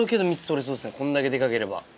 こんだけデカければ。